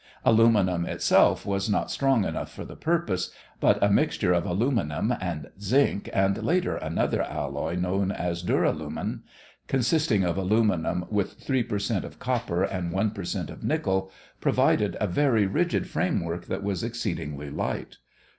Aluminum itself was not strong enough for the purpose, but a mixture of aluminum and zinc and later another alloy known as duralumin, consisting of aluminum with three per cent of copper and one per cent of nickel, provided a very rigid framework that was exceedingly light.